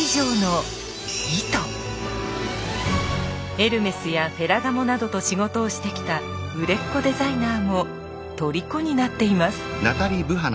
エルメスやフェラガモなどと仕事をしてきた売れっ子デザイナーも虜になっています。